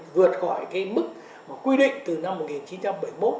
vượt khỏi cái mức mà quy định từ năm một nghìn chín trăm bảy mươi một